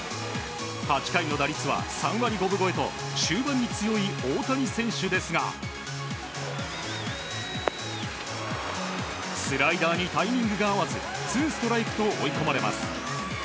８回の打率は３割５分超えと終盤に強い大谷選手ですがスライダーにタイミングが合わずツーストライクと追い込まれます。